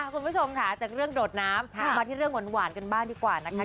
คุณผู้ชมค่ะจากเรื่องโดดน้ำมาที่เรื่องหวานกันบ้างดีกว่านะคะ